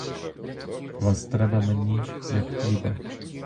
Вас треба мені, як хліба!